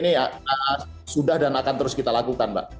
ini sudah dan akan terus kita lakukan mbak